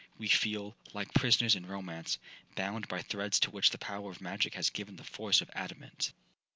We feel, like prisoners in romance, bound by threads to which the power of magic has given the force of adamant.